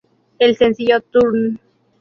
El sencillo "Turn!